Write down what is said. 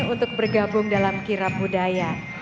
untuk bergabung dalam kirap budaya